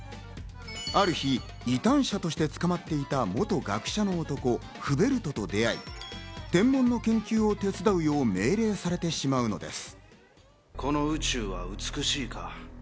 ある日、異端者として捕まっていた元学者の男・フベルトと出会い、天文の研究を手伝うよう命令されてしまうのです。